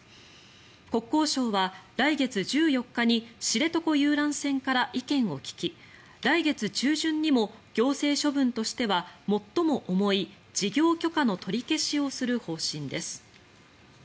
国交省は来月１４日に知床遊覧船から意見を聞き来月中旬にも行政処分としては最も重い事業許可の取り消しをする方針です。